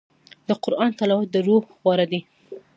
د قرآن تلاوت د روح خواړه دي.